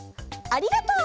「ありがとう！」。